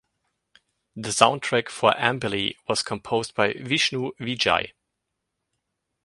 The soundtrack for Ambili was composed by Vishnu Vijay.